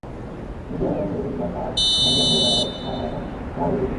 নিজের আসন ছেড়ে বুধবার তাঁর ধ্যান-জ্ঞান হয়ে দাঁড়ায় মায়ের আসন রায়বেরিলি।